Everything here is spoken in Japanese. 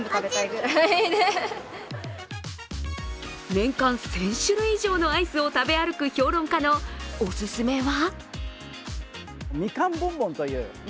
年間１０００種類以上のアイスを食べ歩く評論家のおすすめは？